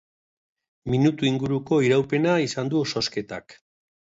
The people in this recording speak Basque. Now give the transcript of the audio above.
Minutu inguruko iraupena izan du zozketak.